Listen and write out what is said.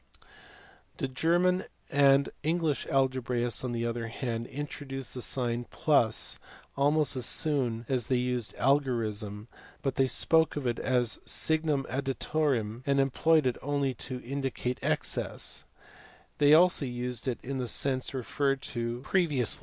The German and English algebraists on the other hand introduced the sign + almost as soon as they used algorism, but they spoke of it as* signum additorum and employed it only to indicate excess, they also used it in the sense referred to above on p.